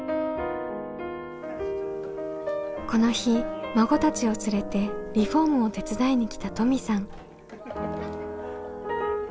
この日孫たちを連れてリフォームを手伝いに来た登美さん。